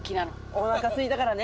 おなかすいたからね。